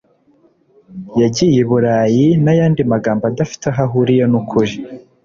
yagiye i Burayi n’ayandi magambo adafite aho ahuriye n’ukuri